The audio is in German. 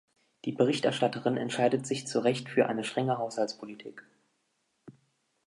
Die Berichterstatterin entscheidet sich zu Recht für eine strenge Haushaltspolitik.